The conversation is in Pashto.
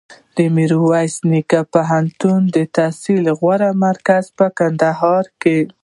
میرویس نیکه پوهنتون دتحصل غوره مرکز په کندهار کي